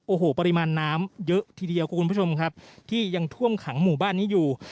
โอ้โหปริมาณน้ำเยอะทีเดียวคุณผู้ชมครับที่ยังท่วมขังหมู่บ้านนี้อยู่